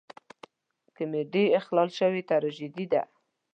کمیډي اخلال شوې تراژیدي ده.